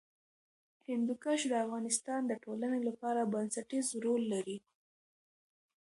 هندوکش د افغانستان د ټولنې لپاره بنسټيز رول لري.